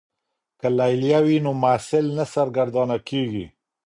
که لیلیه وي نو محصل نه سرګردانه کیږي.